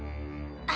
あ！